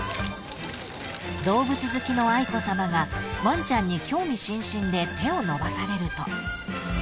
［動物好きの愛子さまがワンちゃんに興味津々で手を伸ばされると］